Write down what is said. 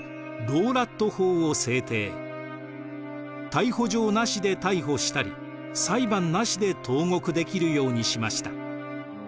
逮捕状なしで逮捕したり裁判なしで投獄できるようにしました。